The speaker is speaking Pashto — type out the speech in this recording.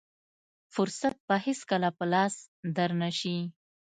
فرصت به هېڅکله په لاس در نه شي.